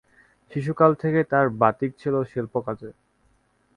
শিশুকাল থেকেই তাঁর বাতিক ছিল শিল্পকাজে।